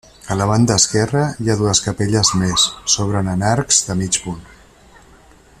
A la banda esquerra hi ha dues capelles més, s'obren en arcs de mig punt.